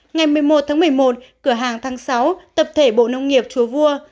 ngày một mươi một tháng một mươi một cửa hàng thăng sáu tập thể bộ nông nghiệp chùa vua